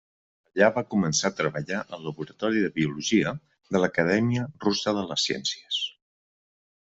Allà va començar a treballar al Laboratori de Biologia de l'Acadèmia Russa de les Ciències.